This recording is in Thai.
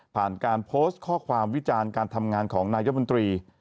ผ่านการโพสต์ข้อความวิจารณ์การทำงานของนายมนตรี